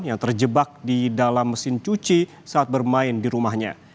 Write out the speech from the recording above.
yang terjebak di dalam mesin cuci saat bermain di rumahnya